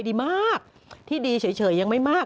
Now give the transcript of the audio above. ดีมากที่ดีเฉยยังไม่มาก